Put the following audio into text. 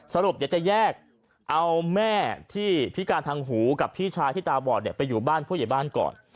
สรุปเดี๋ยวจะแยกเอาแม่ที่พิการทางหูกับพี่ชายที่ตาบอดไปอยู่บ้านผู้ใหญ่บ้านก่อน